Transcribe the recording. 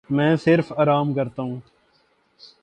میں صرف آرام کرتا ہوں۔